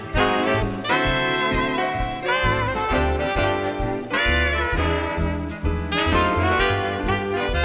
สวัสดีครับสวัสดีครับ